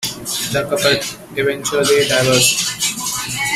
The couple eventually divorced.